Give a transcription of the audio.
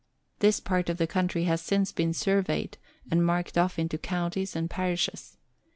This part of the country has since been surveyed and marked off into counties and parishes.